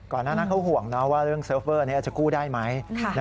ก่อนนั้นนักเขาหวงว่าเรื่องเสิร์ฟเวอร์นี้อาจจะกู้ได้ไหม